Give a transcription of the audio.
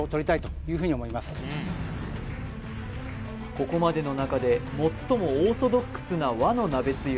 ここまでの中で最もオーソドックスな和の鍋つゆ